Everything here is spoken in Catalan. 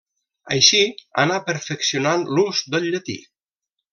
Així anà perfeccionant l'ús del llatí.